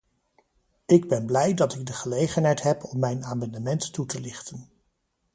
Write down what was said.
Ik ben blij dat ik de gelegenheid heb om mijn amendement toe te lichten.